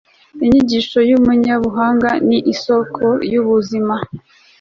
inyigisho y'umunyabuhanga ni isoko y'ubuzima